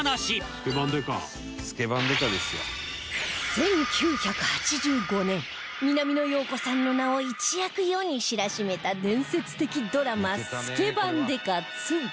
１９８５年南野陽子さんの名を一躍世に知らしめた伝説的ドラマ『スケバン刑事 Ⅱ』